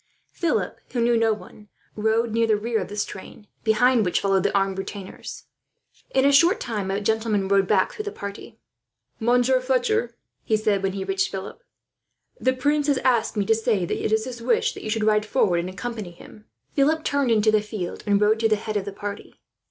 Philip, who knew no one, rode near the rear of this train, behind which followed the armed retainers. In a short time a gentleman rode back through the party. "Monsieur Fletcher," he said, when he reached Philip, "the prince has asked me to say that it is his wish that you shall ride forward, and accompany him." Philip turned into the field, and rode to the head of the party.